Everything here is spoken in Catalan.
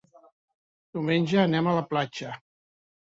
Diumenge anem a la platja.